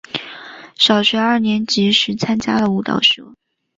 小学二年级时参加了舞蹈社。